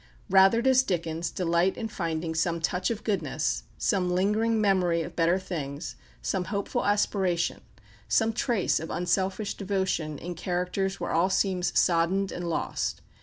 Rather does Dickens delight in finding some touch of goodness, some lingering memory of better things, some hopeful aspiration, some trace of unselfish devotion in characters where all seems soddened and lost.